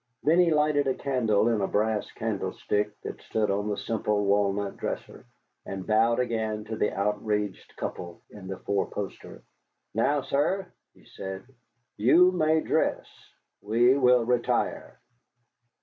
Then he lighted a candle in a brass candlestick that stood on the simple walnut dresser, and bowed again to the outraged couple in the four poster. "Now, sir," he said, "you may dress. We will retire."